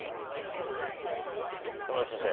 野村先生